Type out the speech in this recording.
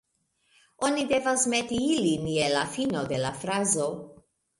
Oni devas meti ilin je la fino de la frazo